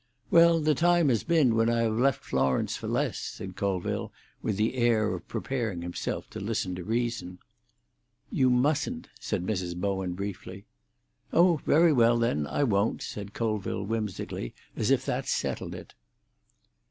"Well, the time has been when I have left Florence for loss," said Colville, with the air of preparing himself to listen to reason. "You mustn't," said Mrs. Bowen briefly. "Oh, very well, then, I won't," said Colville whimsically, as if that settled it.